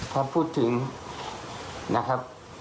พอพูดถึงนะครับ